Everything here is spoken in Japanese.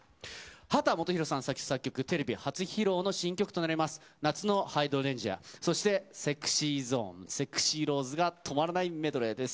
秦基博さん作詞作曲、テレビ初披露の新曲となります、夏のハイドレンジア、ＳｅｘｙＺｏｎｅ、ＳｅｘｙＲｏｓｅが止まらないメドレーです。